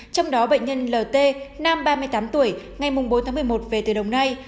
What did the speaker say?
trong đó bệnh nhân lt nam ba mươi tám tuổi ngày bốn tháng một mươi một về từ đồng nai